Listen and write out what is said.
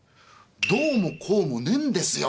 「どうもこうもねえんですよ。